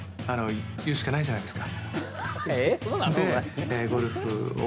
言うしかないじゃないですか。